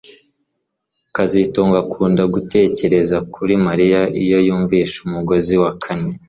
kazitunga akunda gutekereza kuri Mariya iyo yumvise umugozi wa kane